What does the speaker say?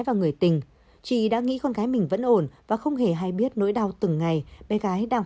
và người tình chị đã nghĩ con gái mình vẫn ổn và không hề hay biết nỗi đau từng ngày bé gái đang